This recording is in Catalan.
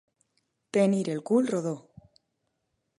Tenir el cul rodó.